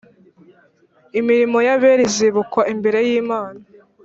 Imirimo yabera izibukwa imbere yimana